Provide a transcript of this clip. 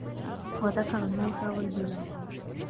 وَذَكَرَ الْمَوْتَ وَالْبِلَى